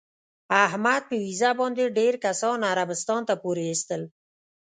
احمد په ویزه باندې ډېر کسان عربستان ته پورې ایستل.